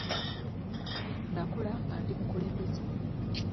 Nakula nga ndi mukulembeze.